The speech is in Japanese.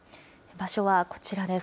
場所はこちらです。